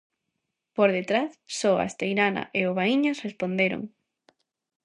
Por detrás, só a Esteirana e o Baíñas responderon.